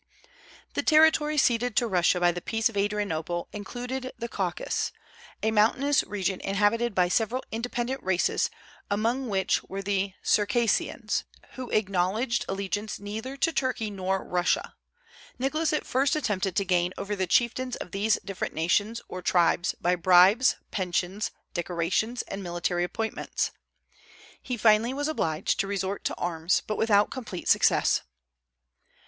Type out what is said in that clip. The territory ceded to Russia by the peace of Adrianople included the Caucasus, a mountainous region inhabited by several independent races, among which were the Circassians, who acknowledged allegiance neither to Turkey nor Russia. Nicholas at first attempted to gain over the chieftains of these different nations or tribes by bribes, pensions, decorations, and military appointments. He finally was obliged to resort to arms, but without complete success.